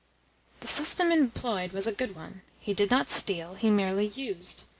The system employed was a good one: he did not steal, he merely used.